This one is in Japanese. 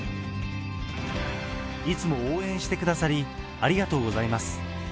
いつも応援してくださり、ありがとうございます。